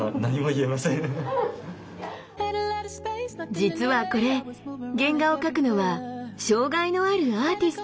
実はこれ原画を描くのは障害のあるアーティスト。